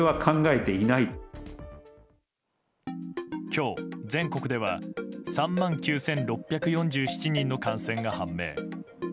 今日、全国では３万９６４７人の感染が判明。